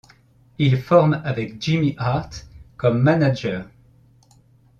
Ils forment avec Jimmy Hart comme manager.